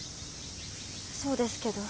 そうですけど。